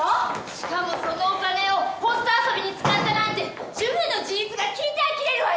しかもそのお金をホスト遊びに使ったなんて主婦の自立が聞いてあきれるわよ！